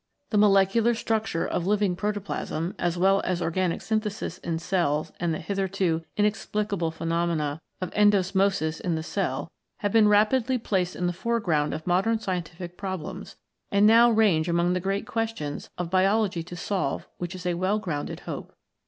The molecular structure of living protoplasm, as well as organic synthesis in cells and the hitherto inexplicable phenomena of endosmosis in the cell, have been rapidly placed in the foreground of modern scientific problems and now range among the great questions of biology to solve which is a well grounded hope.